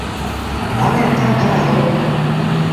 هآڻي هِتآنٚ کآݩ هلونٚ۔